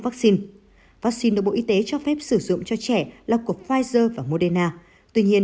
vắc xin vắc xin được bộ y tế cho phép sử dụng cho trẻ là của pfizer và moderna tuy nhiên